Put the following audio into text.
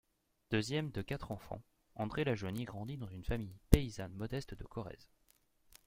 Deuxième de quatre enfants, André Lajoinie grandit dans une famille paysanne modeste de Corrèze.